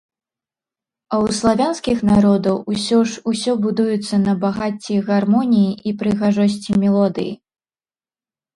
А ў славянскіх народаў, усё ж, усё будуецца на багацці гармоніі і прыгажосці мелодыі.